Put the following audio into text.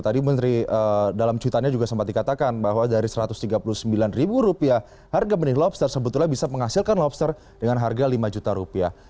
tadi menteri dalam cuitannya juga sempat dikatakan bahwa dari satu ratus tiga puluh sembilan ribu rupiah harga benih lobster sebetulnya bisa menghasilkan lobster dengan harga lima juta rupiah